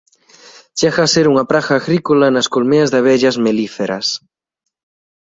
Chega a ser unha praga agrícola nas colmeas de abellas melíferas.